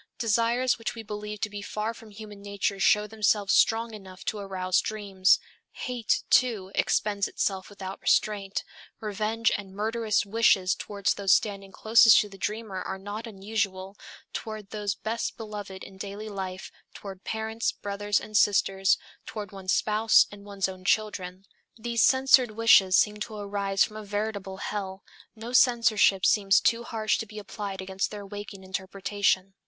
Desires which we believe to be far from human nature show themselves strong enough to arouse dreams. Hate, too, expends itself without restraint. Revenge and murderous wishes toward those standing closest to the dreamer are not unusual, toward those best beloved in daily life, toward parents, brothers and sisters, toward one's spouse and one's own children. These censored wishes seem to arise from a veritable hell; no censorship seems too harsh to be applied against their waking interpretation.